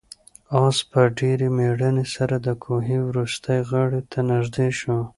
آس په ډېرې مېړانې سره د کوهي وروستۍ غاړې ته نږدې شو.